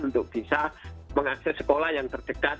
untuk bisa mengakses sekolah yang terdekat